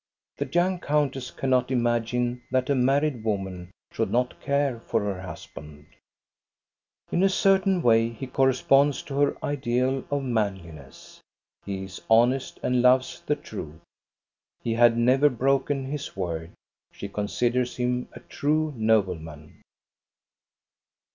The young countess cannot imagine that a married woman should not care for her husband. THE YOUNG COUNTESS 175 In a certain way he corresponds to her ideal of manliness. He is honest and loves the truth. He had never broken his word. She considers him a true nobleman.